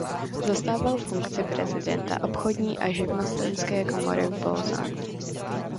Zastával funkci prezidenta obchodní a živnostenské komory v Bolzanu.